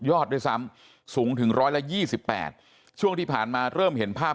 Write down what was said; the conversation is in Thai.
อดด้วยซ้ำสูงถึงร้อยละ๒๘ช่วงที่ผ่านมาเริ่มเห็นภาพ